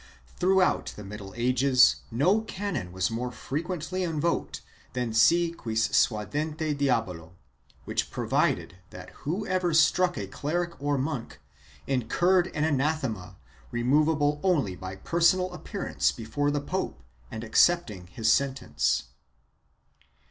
Through out the middle ages no canon was more frequently invoked than / Si quis suadente diabolo, which provided that whoever struck a cleric or monk incurred an anathema removable only by personal appearance before the pope and accepting his sentence.